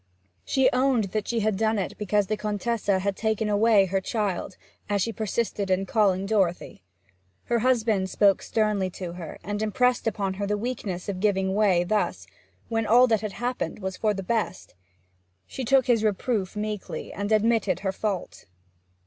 She owned that she had done it because the Contessa had taken away her child, as she persisted in calling Dorothy. Her husband spoke sternly to her, and impressed upon her the weakness of giving way thus, when all that had happened was for the best. She took his reproof meekly, and admitted her fault.